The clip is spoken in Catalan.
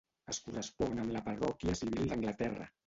Es correspon amb la parròquia civil d'Anglaterra.